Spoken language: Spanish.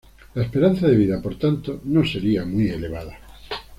La esperanza de vida, por tanto, no sería muy elevada.